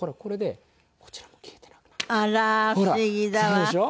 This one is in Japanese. そうでしょ。